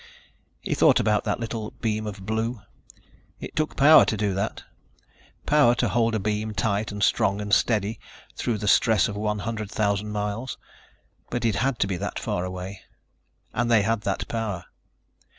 He thought about that little beam of blue. It took power to do that, power to hold a beam tight and strong and steady through the stress of one hundred thousand miles. But it had to be that far away ... and they had that power.